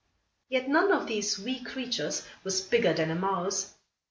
Yet none of these wee creatures was bigger than a mouse.